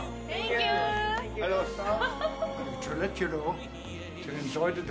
ありがとうございます。